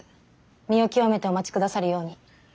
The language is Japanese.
身を清めてお待ち下さるように。